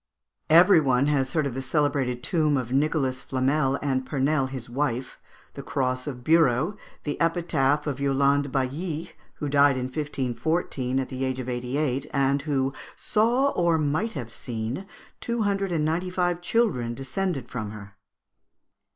Every one has heard of the celebrated tomb of Nicholas Flamel and Pernelle his wife (Fig. 63), the cross of Bureau, the epitaph of Yolande Bailly, who died in 1514, at the age of eighty eight, and who "saw, or might have seen, two hundred and ninety five children descended from her."